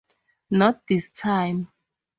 Not this time.